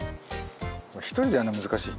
一人でやるの難しい。